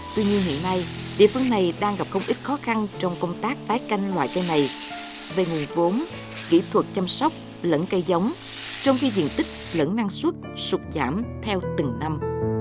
tuy nhiên hiện nay địa phương này đang gặp không ít khó khăn trong công tác tái canh loại cây này về nguồn vốn kỹ thuật chăm sóc lẫn cây giống trong khi diện tích lẫn năng suất sụp giảm theo từng năm